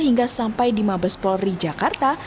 hingga sampai di mabespolri jakarta